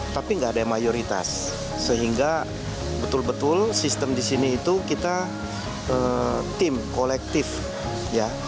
tapi nggak ada mayoritas sehingga betul betul sistem di sini itu kita tim kolektif ya